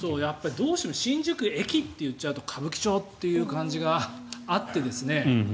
どうしても新宿駅と言っちゃうと歌舞伎町っていう感じがあってですね。